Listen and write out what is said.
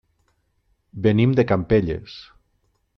Venim de Campelles.